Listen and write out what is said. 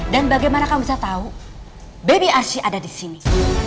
dan bagaimana kamu bisa tahu baby arsy ada disini